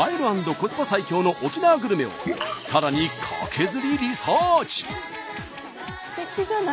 コスパ最強の沖縄グルメをさらにカケズリリサーチ！